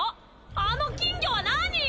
あの金魚は何？